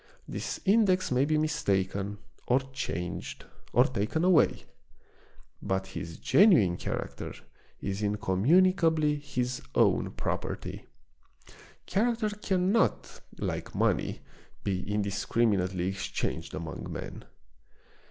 This index may be mistaken, or changed, or taken away ; but his genuine character is incommunicably his own property. Character cannot, like money, be indiscriminately exchanged among men.